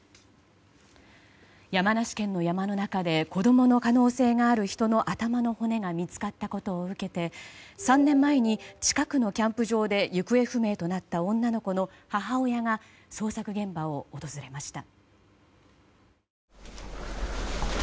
山梨県の山の中で子供の可能性がある人の頭の骨が見つかったことを受けて３年前に近くのキャンプ場で行方不明となった女の子の母親が捜索現場を訪れました。